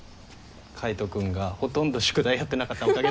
海斗君がほとんど宿題やってなかったおかげで。